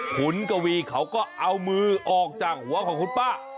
กวีเขาก็เอามือออกจากหัวของคุณป้า